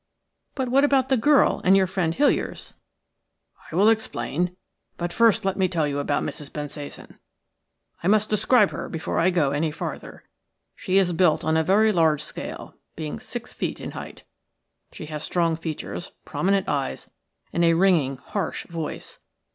"But what about the girl and your friend Hiliers?" "I will explain. But first let me tell you about Mrs. Bensasan. I must describe her before I go any farther. She is built on a very large scale, being six feet in height. She has strong features, prominent eyes, and a ringing, harsh voice.